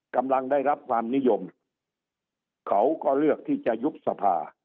กำลังได้รับความนิยมเขาก็เลือกที่จะยุบสภา